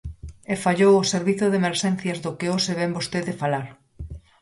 E fallou o servizo de emerxencias do que hoxe vén vostede falar.